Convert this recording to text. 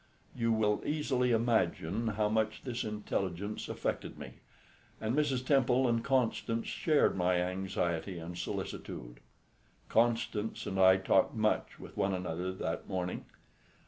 You will easily imagine how much this intelligence affected me; and Mrs. Temple and Constance shared my anxiety and solicitude. Constance and I talked much with one another that morning.